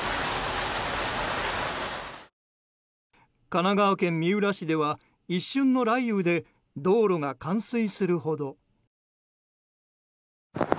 神奈川県三浦市では一瞬の雷雨で道路が冠水するほど。